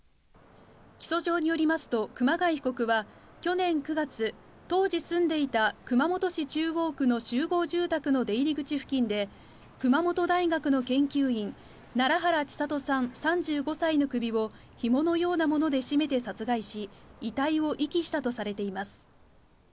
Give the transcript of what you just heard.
起訴状によりますと、熊谷被告は、去年９月、当時住んでいた熊本市中央区の集合住宅の出入り口付近で、熊本大学の研究員、楢原知里さん３５歳の首を、ひものようなもので絞めて殺害し、遺体を遺棄したとされています。